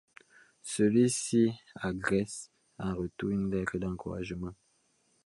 Celui-ci lui adresse en retour une lettre d'encouragement.